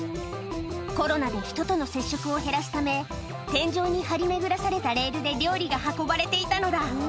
コロナで人との接触を減らすため、天井に張り巡らされたレールで料理が運ばれていたのだ。